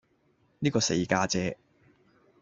呢個四家姐